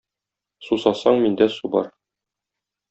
Сусасаң, миндә су бар.